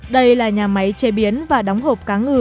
đây là nhà máy chế biến và đóng hộp cá ngừ